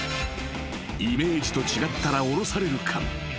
［イメージと違ったら降ろされるかも］